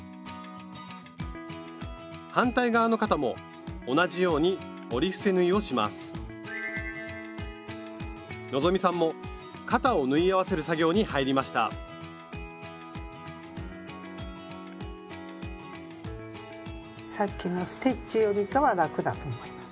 反対側の肩も同じように折り伏せ縫いをします希さんも肩を縫い合わせる作業に入りましたさっきのステッチよりかは楽だと思います。